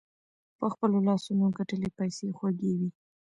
په خپلو لاسونو ګتلي پیسې خوږې وي.